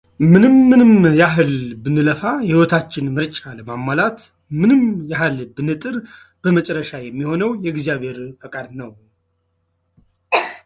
ምንም ያህል ብንለፋ የህይወታችንን ምርጫ ለማሟላት ምንም ያህል ብንጥር በመጨረሻ የሚሆነው የእግዚአብሔር ፈቃድ ነው፡፡